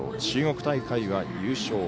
中国大会は優勝。